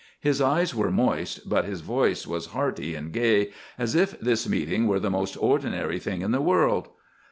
His eyes were moist, but his voice was hearty and gay, as if this meeting were the most ordinary thing in the world.